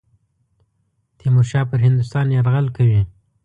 تیمورشاه پر هندوستان یرغل کوي.